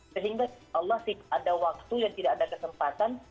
sehingga insya allah ada waktu dan tidak ada kesempatan